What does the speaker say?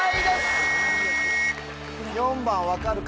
４番分かる方。